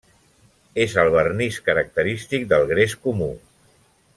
És el vernís característic del gres comú.